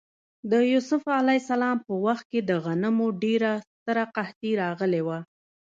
د یوسف ع په وخت کې د غنمو ډېره ستره قحطي راغلې وه.